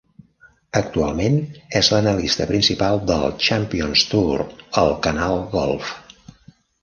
Actualment és l'analista principal del Champions Tour al Canal Golf.